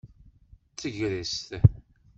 D tagrest.